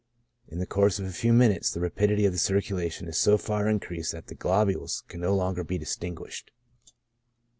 In the course of a i&vf minutes the rapidity of the circulation is so far increased that the globules can no longer be distinguished.